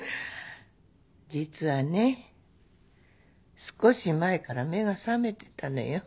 実はね少し前から目が覚めてたのよ。